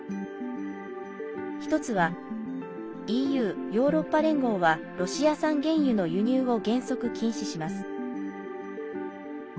１つは、ＥＵ＝ヨーロッパ連合はロシア産原油の輸入を原則禁止します。